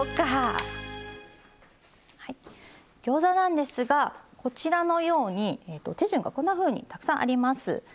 ギョーザなんですがこちらのように手順がこんなふうにたくさんあります。